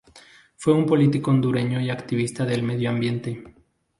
Fue un político hondureño y activista del medio ambiente.